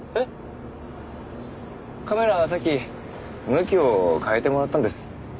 カメラはさっき向きを変えてもらったんです。